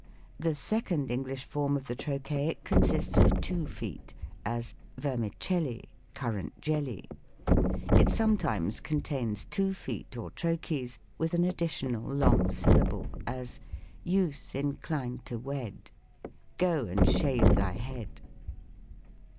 The second English form of the Trochaic consists of two feet : as, "Vermicelli, Currant jelly." It sometimes contains two feet, or trochees, with an additional long syllable: as, "Youth inclined to wed' Go and shave thy head."